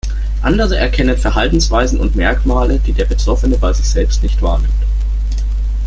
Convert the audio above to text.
Andere erkennen Verhaltensweisen und Merkmale, die der Betroffene bei sich selbst nicht wahrnimmt.